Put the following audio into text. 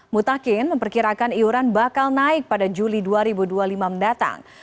mutakin memperkirakan iuran bakal naik pada juli dua ribu dua puluh lima mendatang